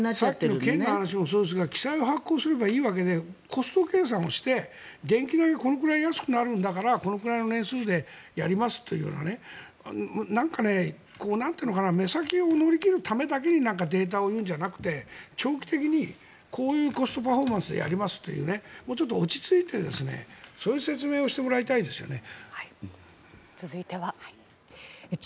さっきの県の話もそうですが起債を発行すればいいわけでコスト計算をして電気代がこのくらい安くなるんだからこのくらいの年数でやりますというなんか目先を乗り切るためだけにデータを言うんじゃなくて長期的にこういうコストパフォーマンスでやりますというもうちょっと落ち着いてそういう説明をしてもらいたいですね。